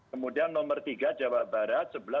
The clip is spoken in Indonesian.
kemudian nomor tiga jawa barat sebelas delapan juta